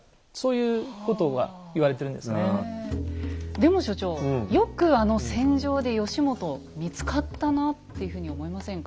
でも所長よくあの戦場で義元見つかったなっていうふうに思いませんか？